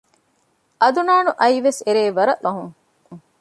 އަދުނާނު އައީވެސް އެރޭ ވަރަށް ލަސްވީ ފަހުން